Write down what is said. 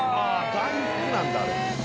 大福なんだあれ。